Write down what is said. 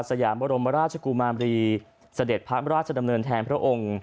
ยามบรมราชกุมารีเสด็จพระราชดำเนินแทนพระองค์